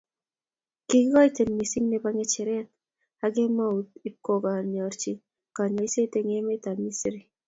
kikikoten missing nebo ngecheret akemut ibkonyor konyoiset eng emet ab misri